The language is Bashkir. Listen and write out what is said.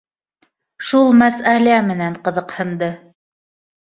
Шул мәсьәлә менән ҡыҙыҡһынды